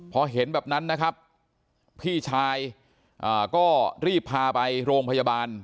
พอเห็นแบบนั้นนะครับพี่ชายก็รีบพาไปโรงพยาบาล